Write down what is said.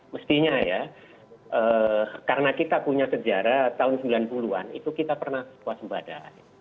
mestinya ya karena kita punya sejarah tahun sembilan puluh an itu kita pernah kuas sembadaan